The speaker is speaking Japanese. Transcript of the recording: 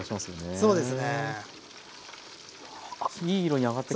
そうですね。